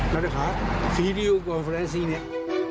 และนะคะฟีริวกับฟรานซิงเนี่ย